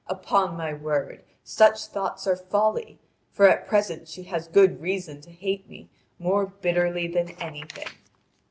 Upon my word, such thoughts are folly, for at present she has good reason to hate me more bitterly than anything.